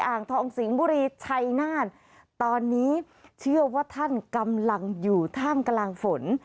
อ่างทองสิงห์บุรีชัยนาธตอนนี้เชื่อว่าท่านกำลังอยู่ท่ามกลางฝน